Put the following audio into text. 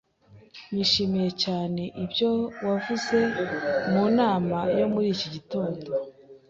Nishimiye cyane ibyo wavuze mu nama yo muri iki gitondo.